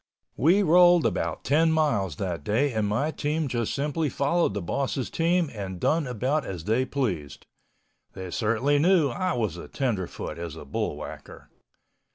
We rolled about 10 miles that day and my team just simply followed the boss' team and done about as they pleased. They certainly knew I was a tenderfoot as a bullwhacker.